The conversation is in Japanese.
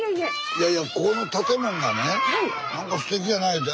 いやいやこの建物がね何かすてきやないうて。